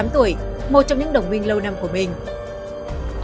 tám tuổi một trong những đồng minh lâu năm của mình